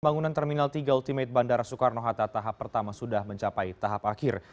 pembangunan terminal tiga ultimate bandara soekarno hatta tahap pertama sudah mencapai tahap akhir